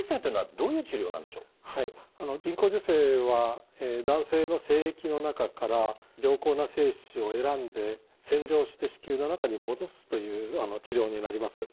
人工授精は男性の精液の中から良好な精子を選んで洗浄して子宮の中に戻すという治療になります。